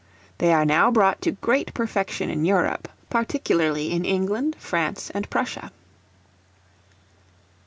They are now brought to great perfection in Europe, particularly in England, France and Prussia.